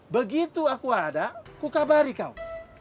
begitu aku ada kukabari kau